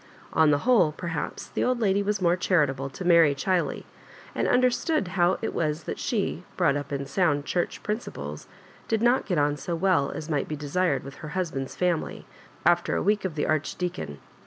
On the whole, perhaps, the old lady was more charitable to Mary Chiley, and underatood better how it was that she, brought up in sound Church principles, did not get on so well as might be desired with her husband's family, after a week of the Arch deacon.